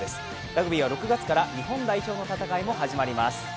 ラグビーは６月から日本代表の戦いも始まります。